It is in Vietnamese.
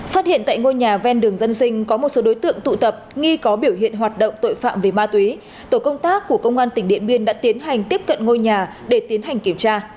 phát hiện tại ngôi nhà ven đường dân sinh có một số đối tượng tụ tập nghi có biểu hiện hoạt động tội phạm về ma túy tổ công tác của công an tỉnh điện biên đã tiến hành tiếp cận ngôi nhà để tiến hành kiểm tra